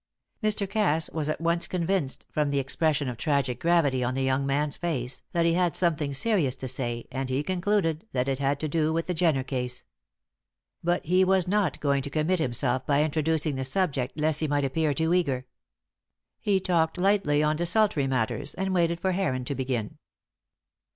Mr. Cass was at once convinced, from the expression of tragic gravity on the young man's face, that he had something serious to say, and he concluded that it had to do with the Jenner case. But he was not going to commit himself by introducing the subject lest he might appear too eager. He talked lightly on desultory matters and waited for Heron to begin.